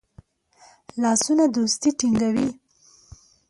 لاسونه دوستی ټینګوي